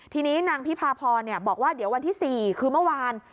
ทีนี้นางพิพาพรบอกว่าเดี๋ยววันที่๔คือเมื่อวาน